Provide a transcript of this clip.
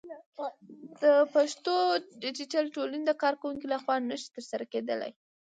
د پښتو ديجيتل ټولنې د کارکوونکو لخوا نشي ترسره کېدلى